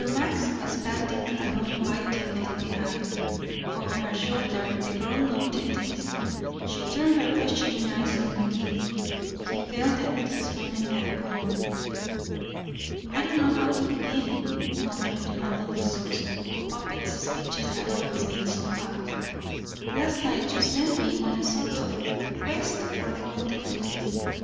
Max was panting along quite ten feet behind. Over her shoulder the girl noted this; she turned her questioning eyes on Magee; he felt that his moment had come. "I don't know how to begin," muttered the novelist whose puppets' speeches had always been so apt. "Last night you sent me on a sort of quest for the golden fleece.